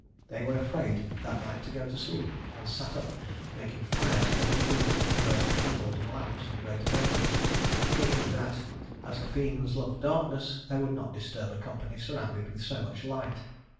They were afraid that night to go to sleep, and sat up, making fires in every room, and burning candles and lamps in great abundance; thinking that, as the fiends loved darkness, they would not disturb a company surrounded with so much light.